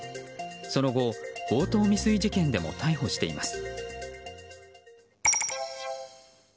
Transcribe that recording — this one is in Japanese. その後、強盗未遂事件でも逮捕しています。